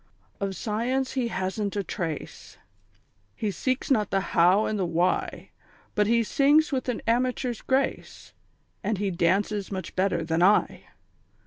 _ _"Of Science he hasn't a trace, He seeks not the How and the Why, But he sings with an amateur's grace And he dances much better than I.